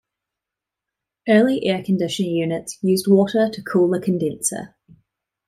Early air conditioner units used water to cool the condenser.